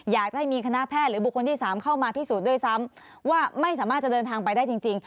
อยากจะให้มีคณะแพทย์หรือบุคคลที่๓เข้ามาพิสูจน์ด้วยซ้ำว่าไม่สามารถจะเดินทางไปได้จริง